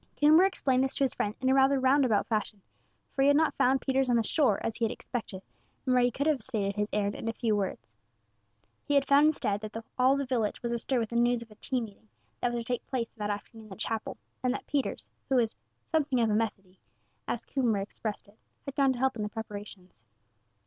Coomber explained this to his friend in a rather roundabout fashion, for he had not found Peters on the shore, as he had expected, and where he could have stated his errand in a few words. He had found instead that all the village was astir with the news of a tea meeting, that was to take place that afternoon in the chapel, and that Peters, who was "something of a Methody," as Coomber expressed it, had gone to help in the preparations.